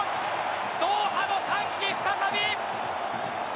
ドーハの歓喜再び。